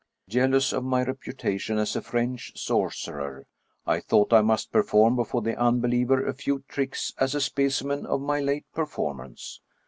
Jealous of my reputation as a French sorcerer, I thought I must perform before the unbeliever a few tricks as a specimen of my late performance.